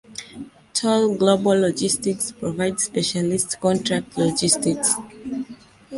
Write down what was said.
Toll Global Logistics provides specialist contract logistics.